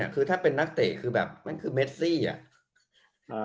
คือถ้าเป็นนักเตะคือแบบนั่นคือเมซี่อ่ะ